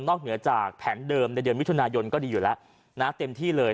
เหนือจากแผนเดิมในเดือนมิถุนายนก็ดีอยู่แล้วนะเต็มที่เลย